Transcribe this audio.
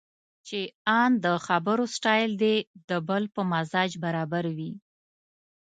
چې ان د خبرو سټایل دې د بل په مزاج برابر وي.